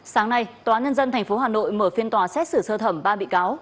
sáng nay tòa nhân dân tp hà nội mở phiên tòa xét xử sơ thẩm ba bị cáo